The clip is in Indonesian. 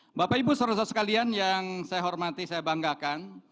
nah bapak ibu serasa sekalian yang saya hormati saya banggakan